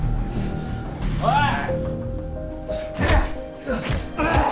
おい！